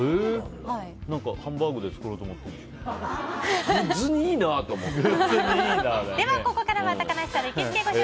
ハンバーグで作ろうと思ってるでしょ。